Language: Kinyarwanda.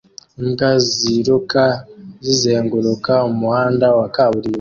Imbwa ziruka zizenguruka umuhanda wa kaburimbo